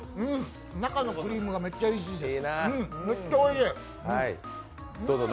中のクリームがめっちゃおいしいです。